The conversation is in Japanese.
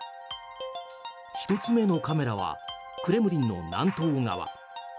１つ目のカメラはクレムリンの南東側。